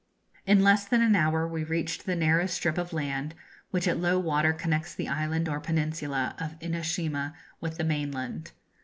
] In less than an hour we reached the narrow strip of land which at low water connects the island or peninsula of Inoshima with the mainland.